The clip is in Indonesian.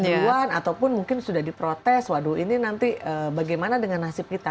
dipajak dulu ane ataupun mungkin sudah diprotes waduh ini nanti bagaimana dengan nasib kita